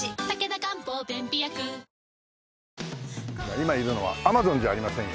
今いるのはアマゾンじゃありませんよ。